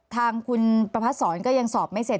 ทางคุณประพัดศรก็ยังสอบไม่เสร็จ